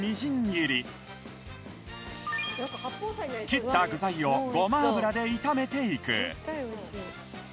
切った具材をごま油で炒めていく